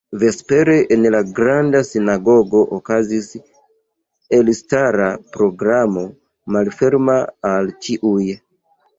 Vespere en la Granda Sinagogo okazis elstara programo malferma al ĉiuj.